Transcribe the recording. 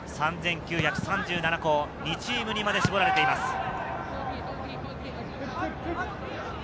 ３９３７校、２チームにまで絞られています。